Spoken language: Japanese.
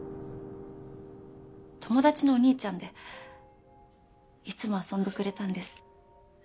友達のお兄ちゃんでいつも遊んでくれたんです。